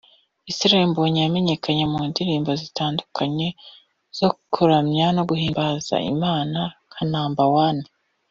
Israel Mbonyi yamenyekanye mu ndirimbo zinyuranye zo kuramya no guhimbaza Imana nka Number One